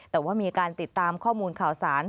แต่ว่ามีการติดตามข้อมูลข่าวสาร